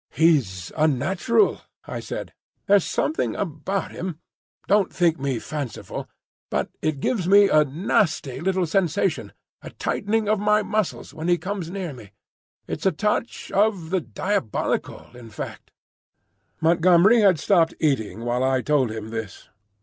"He's unnatural," I said. "There's something about him—don't think me fanciful, but it gives me a nasty little sensation, a tightening of my muscles, when he comes near me. It's a touch—of the diabolical, in fact." Montgomery had stopped eating while I told him this.